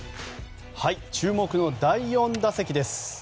注目の第４打席です。